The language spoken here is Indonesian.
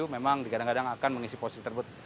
memang dikadang kadang akan mengisi posisi terbut